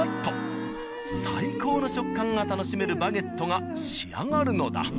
最高の食感が楽しめるバゲットが仕上がるのだ。